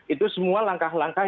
itu semua langkah langkah